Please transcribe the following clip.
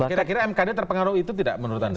kira kira mkd terpengaruh itu tidak menurut anda